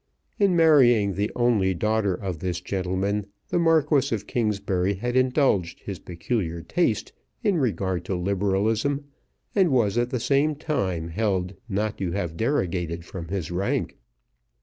In marrying the only daughter of this gentleman the Marquis of Kingsbury had indulged his peculiar taste in regard to Liberalism, and was at the same time held not to have derogated from his rank.